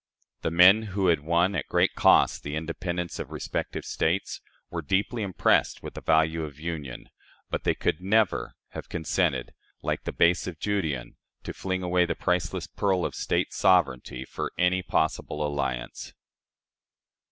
The men who had won at great cost the independence of their respective States were deeply impressed with the value of union, but they could never have consented, like "the base Judean," to fling away the priceless pearl of State sovereignty for any possible alliance.